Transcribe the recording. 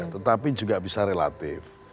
tetapi juga bisa relatif